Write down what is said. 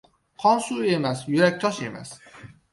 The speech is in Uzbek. • Qon suv emas, yurak tosh emas.